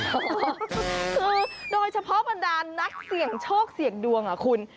คือโดยเฉพาะบรรดานนักเสี่ยงโชคเสี่ยงดวงอ่ะคุณ